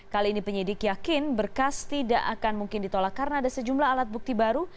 kali ini penyidik yakin berkas tidak akan mungkin ditolak karena ada sejumlah alat bukti baru